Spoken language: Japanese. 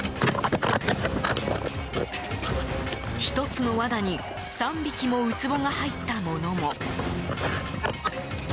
１つの罠に３匹もウツボが入ったものが。